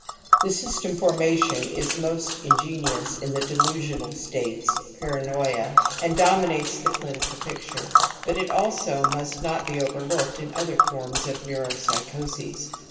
The system fonrfa tion is most ingenious in delusional states (paranoia) and dominates the clinical pictiu'^, but it also must not be overlooked in other forms of neuropsychoses.